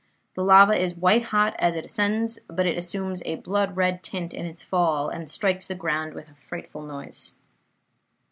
The lava is white hot as it ascends, but it assumes a blood red tint in its fall, and strikes the ground with a frightful noise.